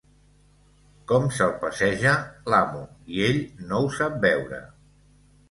Com se'l passeja, l'amo, i ell no ho sap veure!